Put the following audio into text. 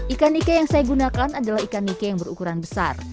ikan ike yang saya gunakan adalah ikan nike yang berukuran besar